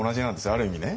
ある意味ね。